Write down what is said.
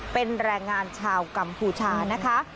เป็นแรงงานชาวกัมพูชานะคะ